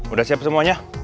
udah siap semuanya